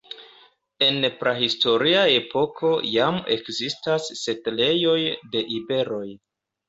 En prahistoria epoko jam ekzistis setlejoj de iberoj.